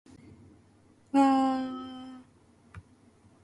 わーーーーーーーー